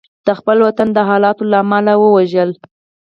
د خپل وطن د حالاتو له امله وژړل.